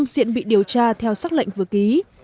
diễn bị điều tra theo xác lệnh vừa ký